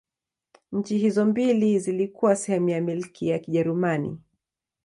Nchi hizo mbili zilikuwa sehemu ya Milki ya Kijerumani.